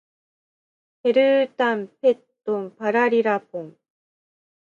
ペルータンペットンパラリラポン